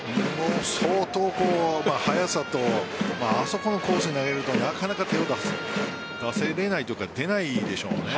相当速さとあそこのコースに投げるとなかなか手を出せられないというか出ないでしょうね。